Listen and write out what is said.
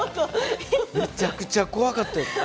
めちゃくちゃ怖かったよ。